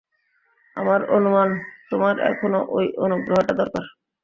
আমার অনুমান তোমার এখনও ওই অনুগ্রহটা দরকার।